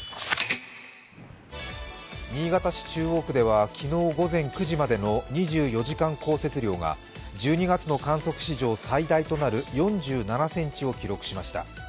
新潟市中央区では昨日午前９時までの２４時間降雪量が１２月の観測史上最大となる４７センチを記録しました。